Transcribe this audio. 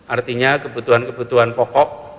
artinya kebutuhan kebutuhan pokok